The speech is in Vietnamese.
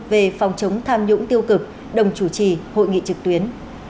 về phòng chống tham nhũng tiêu cực đồng chủ trì hội nghị trực tuyến